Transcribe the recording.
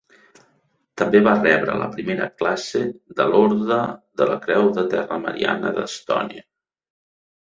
També va rebre la primera classe de l'Orde de la Creu de Terra Mariana d'Estònia.